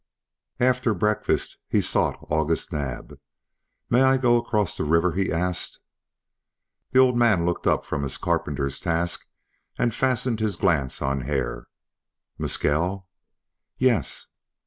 After breakfast he sought August Naab. "May I go across the river?" he asked. The old man looked up from his carpenter's task and fastened his glance on Hare. "Mescal?" "Yes."